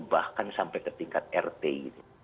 bahkan sampai ke tingkat rti